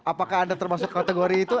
apakah anda termasuk kategori itu